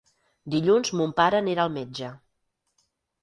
Dilluns mon pare anirà al metge.